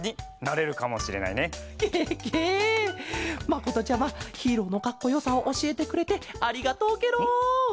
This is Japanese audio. まことちゃまヒーローのかっこよさをおしえてくれてありがとうケロ。